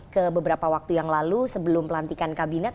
ke beberapa waktu yang lalu sebelum pelantikan kabinet